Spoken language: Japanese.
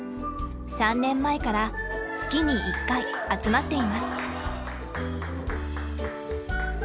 ３年前から月に１回集まっています。